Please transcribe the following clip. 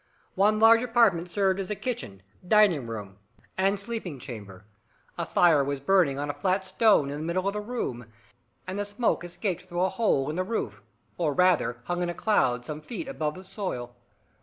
One large apartment served as kitchen, dining room, and sleeping chamber. A fire was burning on a flat stone in the middle of the room, and the smoke escaped through a hole in the roof, or rather hung in a cloud some feet above the soil.